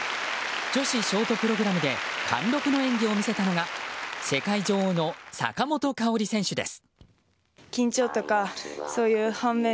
女子ショートプログラムで貫録の演技を見せたのが世界女王の坂本花織選手です。